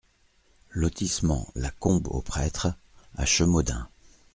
Lotissement la Combe au Prêtre à Chemaudin